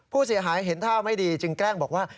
ผู้เสียหายเห็นท่าไม่ดีจึงแกล้งบอกว่า